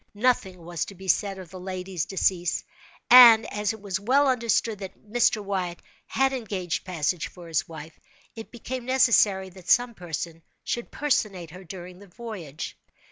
Nothing was to be said of the lady's decease; and, as it was well understood that Mr. Wyatt had engaged passage for his wife, it became necessary that some person should personate her during the voyage.